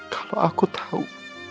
kalau aku tahu